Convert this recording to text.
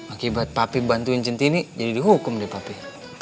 akibat papi bantuin centini jadi dihukum deh papi